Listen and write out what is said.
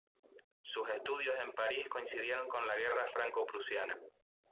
Sus estudios en París coincidieron con la guerra franco-prusiana.